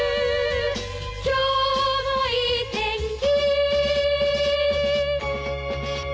「今日もいい天気」